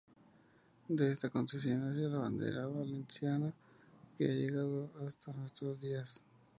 De esta concesión nació la bandera valenciana que ha llegado hasta nuestros días.